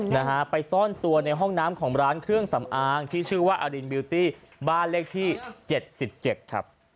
นะฮะไปซ่อนตัวในห้องน้ำของร้านเครื่องสำอางที่ชื่อว่าอรินบิวตี้บ้านเลขที่เจ็ดสิบเจ็ดครับ